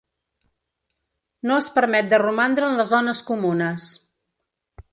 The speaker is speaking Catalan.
No es permet de romandre en les zones comunes.